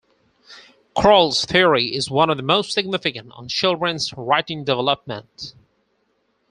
Kroll's theory is one of the most significant on children's writing development.